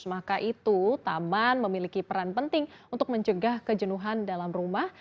maka itu taman memiliki peran penting untuk mencegah kejenuhan dalam rumah